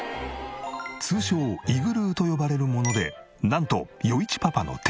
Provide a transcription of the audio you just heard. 通称イグルーと呼ばれるものでなんと余一パパの手作り。